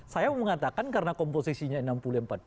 saya mengatakan karena komposisinya yang enam puluh empat puluh